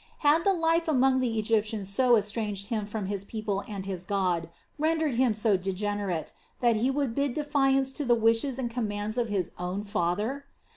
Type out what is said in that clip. Had the life among the Egyptians so estranged him from his people and his God, rendered him so degenerate, that he would bid defiance to the wishes and commands of his own father?